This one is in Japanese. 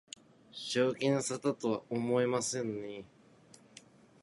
正気の沙汰とは思えませんね